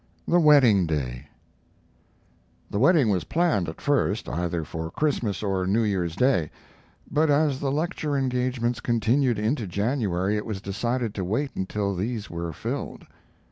THE WEDDING DAY The wedding was planned, at first, either for Christmas or New Year's Day; but as the lecture engagements continued into January it was decided to wait until these were filled.